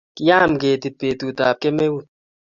Kiyam ketit petut ab kemeut